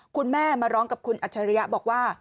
คุณแม่มาร้องกับคุณอัจฉริยะบอกว่า